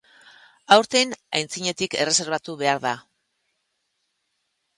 Aurten aitzinetik erreserbatu behar da.